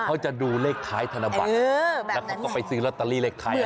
เขาจะดูเลขท้ายธนบัตรแล้วเขาก็ไปซื้อลอตเตอรี่เลขท้าย